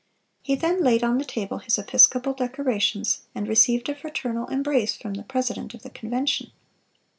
He then laid on the table his episcopal decorations, and received a fraternal embrace from the president of the Convention.